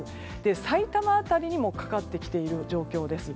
さいたま辺りにもかかってきている状況です。